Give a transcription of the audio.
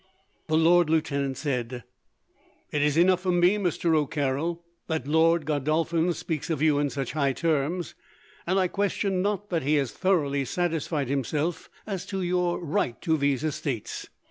The lord lieutenant said: "It is enough for me, Mr. O'Carroll, that Lord Godolphin speaks of you in such high terms, and I question not that he has thoroughly satisfied himself as to your right to these estates.